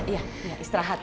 iya istirahat ya